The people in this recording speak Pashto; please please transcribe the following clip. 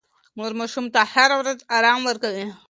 مور ماشوم ته هره ورځ ارام ورکوي.